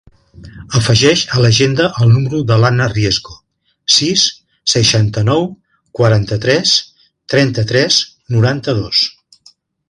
Afegeix a l'agenda el número de l'Anna Riesgo: sis, seixanta-nou, quaranta-tres, trenta-tres, noranta-dos.